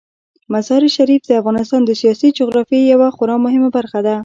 مزارشریف د افغانستان د سیاسي جغرافیې یوه خورا مهمه برخه ده.